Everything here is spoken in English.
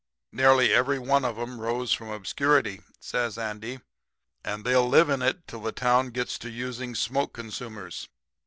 Nearly every one of 'em rose from obscurity,' says Andy, 'and they'll live in it till the town gets to using smoke consumers.